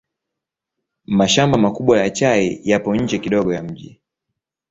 Mashamba makubwa ya chai yapo nje kidogo ya mji.